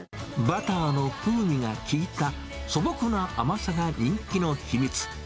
バターの風味が効いた、素朴な甘さが人気の秘密。